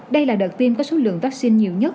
đây là đợt tiêm có số lượng vaccine nhiều nhất